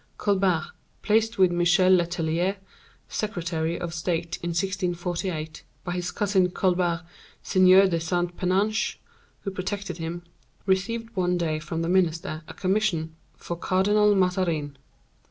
Colbert, placed with Michel Letellier, secretary of state in 1648, by his cousin Colbert, Seigneur de Saint Penange, who protected him, received one day from the minister a commission for Cardinal Mazarin.